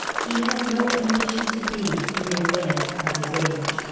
He had no ambition to be in advance of his age.